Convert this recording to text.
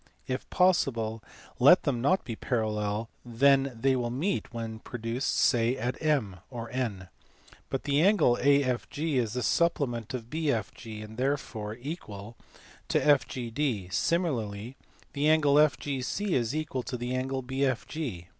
If possible let them not be parallel, then they will meet when produced say at M (or N). But the angle AFG is the supplement of BFG, and is therefore equal to FGD: similarly the angle FGC is equal to the angle BFG.